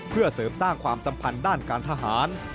เพื่อเสริมสร้างความสัมพันธ์ด้านการทหาร